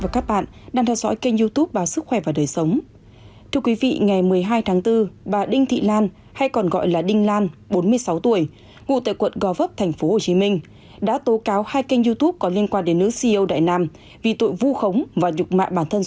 cảm ơn các bạn đã theo dõi và ủng hộ cho kênh youtube của chúng mình